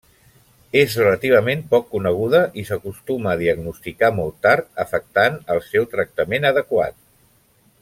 És relativament poc coneguda i s'acostuma a diagnosticar molt tard, afectant el seu tractament adequat.